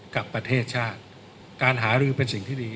กับประเทศชาติการหารือเป็นสิ่งที่ดี